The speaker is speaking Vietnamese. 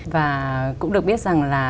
và cũng được biết rằng là